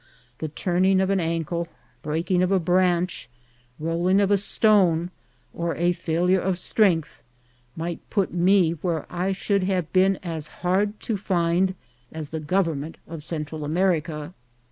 The turning of an ankle, breaking of a branch, rolling of a stone, or a failure of strength, might put me where I should have been as hard to find as the government of Central America.